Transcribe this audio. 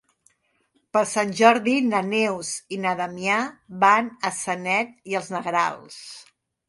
Per Sant Jordi na Neus i na Damià van a Sanet i els Negrals.